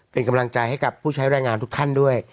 เป็นกำลังใจให้กับผู้ใช้แรงงานทุกท่านด้วย